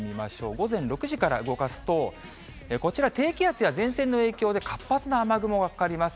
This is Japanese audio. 午前６時から動かすと、こちら、低気圧や前線の影響で、活発な雨雲がかかります。